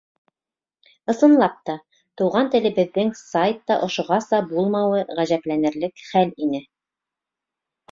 Ысынлап та, туған телебеҙҙең сайтта ошоғаса булмауы ғәжәпләнерлек хәл ине.